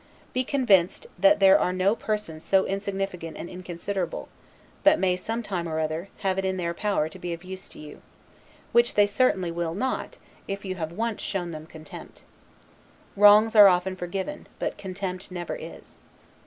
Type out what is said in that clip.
Be convinced, that there are no persons so insignificant and inconsiderable, but may, some time or other, have it in their power to be of use to you; which they certainly will not, if you have once shown them contempt. Wrongs are often forgiven; but contempt never is.